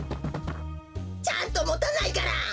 ちゃんともたないから！